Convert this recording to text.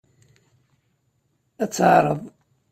Ad teɛreḍ.